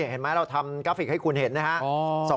เห็นไหมเราทำกราฟิกให้คุณเห็นนะครับ